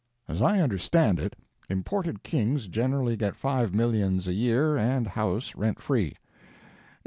As I understand it, imported kings generally get five millions a year and house rent free.